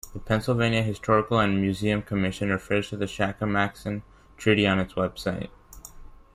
The Pennsylvania Historical and Museum Commission refers to the Shackamaxon treaty on its website.